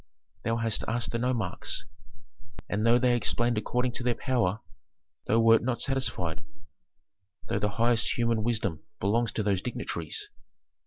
Thou hast asked the nomarchs, and though they explained according to their power, thou wert not satisfied, though the highest human wisdom belongs to those dignitaries.